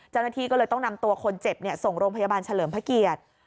เจ้าหน้าที่ก็เลยต้องนำตัวคนเจ็บส่งโรงพยาบาลเฉลิมพระเกียรติ